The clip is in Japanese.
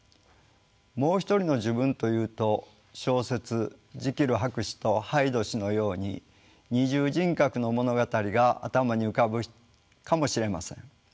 「もう一人の自分」というと小説「ジキル博士とハイド氏」のように二重人格の物語が頭に浮かぶかもしれません。